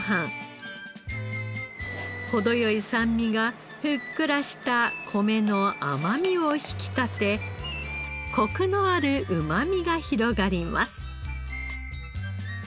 程良い酸味がふっくらした米の甘みを引き立てコクのあるうまみが広がります。